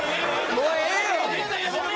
もうええよ！